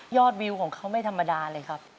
วิวของเขาไม่ธรรมดาเลยครับ